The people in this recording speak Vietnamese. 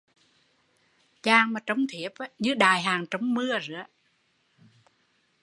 Chàng mà trông thiếp như đại hạn trông mưa